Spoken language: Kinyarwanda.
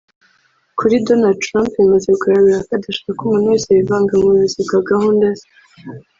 Kuri Donald Trump bimaze kugaragara ko adashaka umuntu wese wivanga mubuyobozi bwa gahunda ze